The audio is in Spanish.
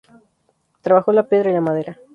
Trabajó la piedra y la madera.